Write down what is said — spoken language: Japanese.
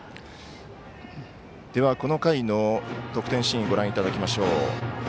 では、この回の得点シーンご覧いただきましょう。